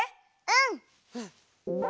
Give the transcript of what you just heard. うん！